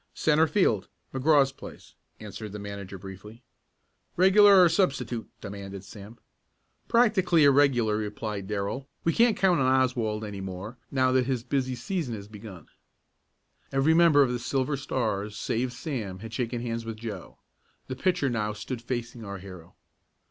"Centre field McGraw's place," answered the manager briefly. "Regular or substitute?" demanded Sam. "Practically a regular," replied Darrell. "We can't count on Oswald any more, now that his busy season has begun." Every member of the Silver Stars save Sam had shaken hands with Joe. The pitcher now stood facing our hero.